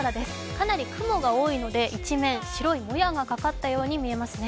かなり雲が多いので一面、白いもやがかかったように見えますね。